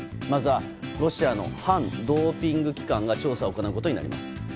まずはロシアの反ドーピング機関が調査を行うことになります。